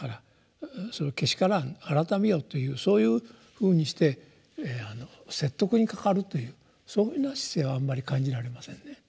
改めよ」というそういうふうにして説得にかかるというそいうふうな姿勢はあんまり感じられませんね。